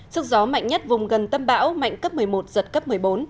sức gió mạnh nhất vùng gần tâm bão mạnh cấp một mươi một giật cấp một mươi bốn